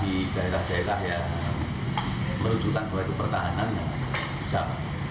yaitu kalau ada luka di daerah daerah yang menunjukkan bahwa itu pertahanan ya susah